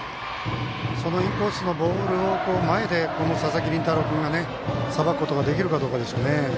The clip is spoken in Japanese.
インコースのボールを前で佐々木麟太郎君がさばくことができるかどうかでしょうね。